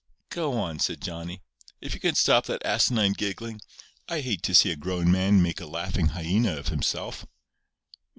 "Go on," said Johnny, "if you can stop that asinine giggling. I hate to see a grown man make a laughing hyena of himself."